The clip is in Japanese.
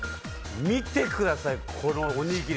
見てください、このおにぎり。